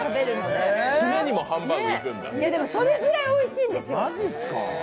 でもそれぐらいおいしいんですよ。